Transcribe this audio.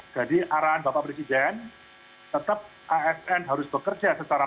jadi arahan bapak presiden tetap asn harus bekerja secara matang